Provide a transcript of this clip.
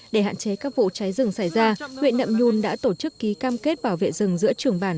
để hạn chế các vụ cháy rừng xảy ra huyện nậm nhun đã tổ chức ký cam kết bảo vệ rừng giữa trường bản